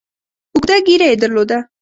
اوږده ږیره یې درلوده.